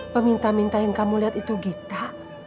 peminta minta yang kamu lihat itu gita